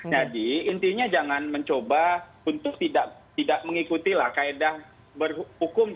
jadi intinya jangan mencoba untuk tidak mengikuti kaedah berhukum